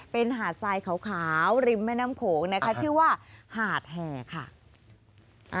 เป็นหาดทรายขาวริมแม่น้ำโขงนะคะชื่อว่าหาดแห่ค่ะ